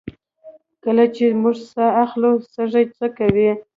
کله چې موږ ساه اخلو سږي څه کوي